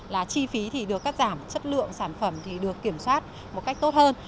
là chi phí thì được cắt giảm chất lượng sản phẩm thì được kiểm soát một cách tốt hơn